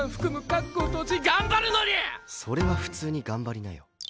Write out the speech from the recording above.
それは普通に頑張りなよ。